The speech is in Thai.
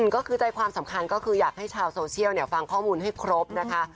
ก็คือใจความสำคัญก็คืออยากให้ชาวโซเชียลฟังข้อมูลให้ครบนะคะ